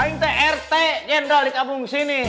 ini itu rt generalit abung sini